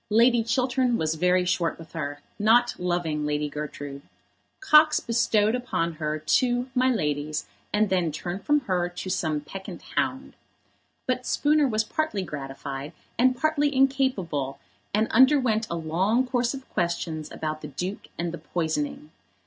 Lord Chiltern was very short with her, not loving Lady Gertrude. Cox bestowed upon her two "my lady's," and then turned from her to some peccant hound. But Spooner was partly gratified, and partly incapable, and underwent a long course of questions about the Duke and the poisoning.